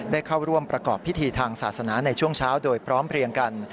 เข้าร่วมประกอบพิธีทางศาสนาในช่วงเช้าโดยพร้อมเพลียงกัน